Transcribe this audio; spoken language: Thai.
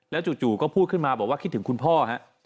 แล้วจู่ก็พูดขึ้นมาบอกว่าคิดถึงคุณพ่อนะครับ